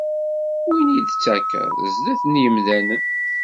Win i d-tettakeḍ, zdat n yemdanen.